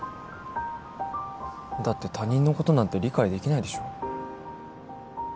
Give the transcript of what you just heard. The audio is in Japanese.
だって他人のことなんて理解できないでしょ。